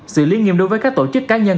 xử lý nghiêm đối với các tổ chức cá nhân